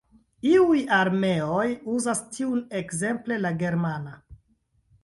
Iuj armeoj uzas tiun, ekzemple la Germana.